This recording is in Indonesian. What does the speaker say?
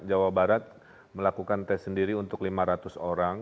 jawa barat melakukan tes sendiri untuk lima ratus orang